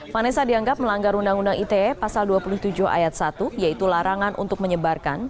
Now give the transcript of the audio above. vanessa dianggap melanggar undang undang ite pasal dua puluh tujuh ayat satu yaitu larangan untuk menyebarkan